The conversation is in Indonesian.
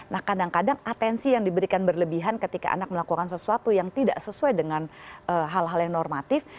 nah kadang kadang atensi yang diberikan berlebihan ketika anak melakukan sesuatu yang tidak sesuai dengan hal hal yang normatif